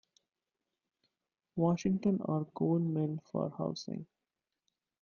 Washington or "Coal Hill" for housing.